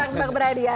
debak debak beradi ya